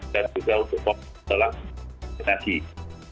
dan juga untuk pembangunan penyakit